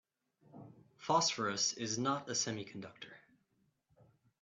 Phosphorus is not a semiconductor.